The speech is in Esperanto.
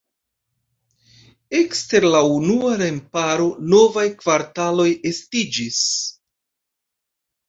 Ekster la unua remparo novaj kvartaloj estiĝis.